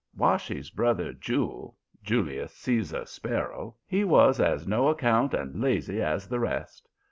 Washy's brother Jule, Julius Caesar Sparrow, he was as no account and lazy as the rest.